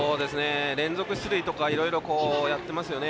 連続出塁とかいろいろやってますよね。